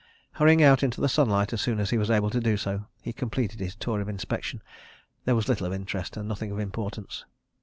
... Hurrying out into the sunlight, as soon as he was able to do so, he completed his tour of inspection. There was little of interest and nothing of importance.